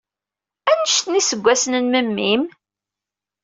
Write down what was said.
Anect n yiseggasen n memmi-m?